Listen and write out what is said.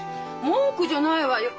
文句じゃないわよ。